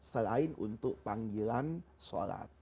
selain untuk panggilan sholat